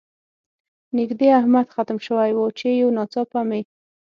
نږدې امید ختم شوی و، چې یو ناڅاپه مې.